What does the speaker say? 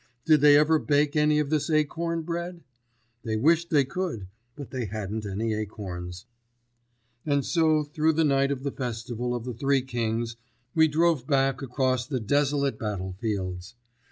Did they ever bake any of this acorn bread? They wished they could, but they hadn't any acorns. And so through the night of the festival of the Three Kings we drove back across the desolate battlefields.